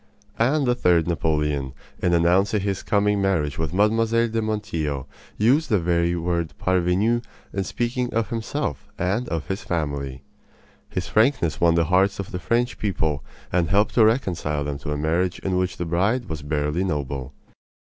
And the third Napoleon, in announcing his coming marriage with Mlle. de Montijo, used the very word "parvenu" in speaking of himself and of his family. His frankness won the hearts of the French people and helped to reconcile them to a marriage in which the bride was barely noble.